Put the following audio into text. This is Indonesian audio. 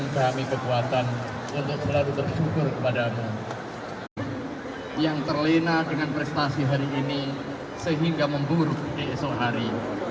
baik berikutnya dari lalu muhammad zohri